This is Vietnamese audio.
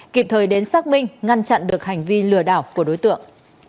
kịp thời đến xác minh ngăn chặn được hành vi lừa đảo của đối tượng